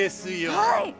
はい。